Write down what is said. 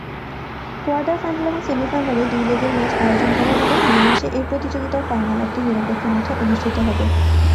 Quarter final এবং সেমিফাইনালে দুই লেগের ম্যাচ আয়োজন করা হবে, মে মাসে এই প্রতিযোগিতার ফাইনাল একটি নিরপেক্ষ মাঠে অনুষ্ঠিত হবে।